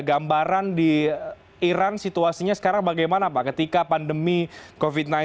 gambaran di iran situasinya sekarang bagaimana pak ketika pandemi covid sembilan belas